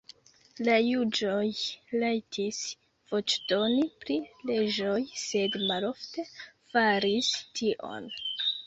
La juĝoj rajtis voĉdoni pri leĝoj, sed malofte faris tion.